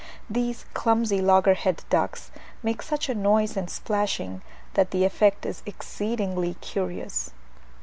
These clumsy, loggerheaded ducks make such a noise and splashing, that the effect is exceedingly curious.